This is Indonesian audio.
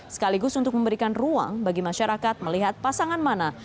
sekaligus untuk memberikan ruang bagi masyarakat melihat pasangan mana